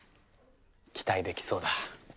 期待できそうだ。